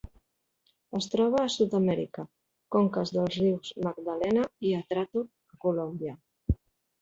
Es troba a Sud-amèrica: conques dels rius Magdalena i Atrato a Colòmbia.